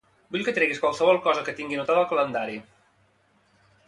Vull que treguis qualsevol cosa que tingui anotada al calendari.